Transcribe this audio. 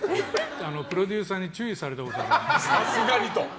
プロデューサーに注意されたことあるんです。